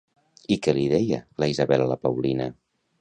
I què li deia, la Isabel a la Paulina?